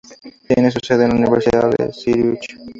Tiene su sede en la Universidad de Zurich.